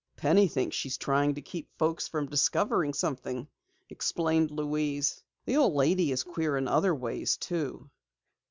"Penny thinks she's trying to keep folks from discovering something," explained Louise. "The old lady is queer in other ways, too."